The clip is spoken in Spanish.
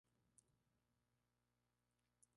Crecen a pleno sol o sombra parcial.